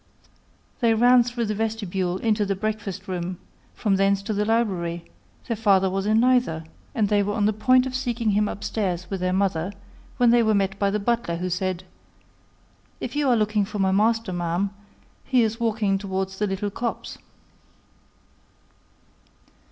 They ran through the vestibule into the breakfast room; from thence to the library; their father was in neither; and they were on the point of seeking him upstairs with their mother, when they were met by the butler, who said, "If you are looking for my master, ma'am, he is walking towards the little copse."